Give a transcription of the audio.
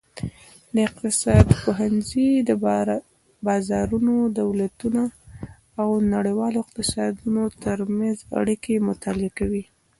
د اقتصاد پوهنځی د بازارونو، دولتونو او نړیوالو اقتصادونو ترمنځ اړیکې مطالعه کوي.